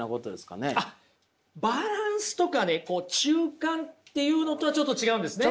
あっバランスとかね中間っていうのとはちょっと違うんですね。